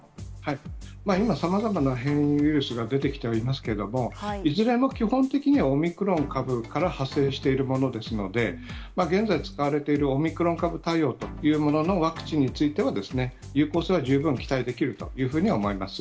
今、さまざまな変異ウイルスが出てきてはいますけれども、いずれも基本的にはオミクロン株から発生しているものですので、現在使われているオミクロン株対応というもののワクチンについては、有効性は十分期待できるというふうには思います。